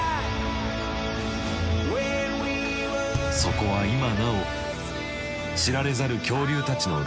そこは今なお知られざる恐竜たちのロストワールド。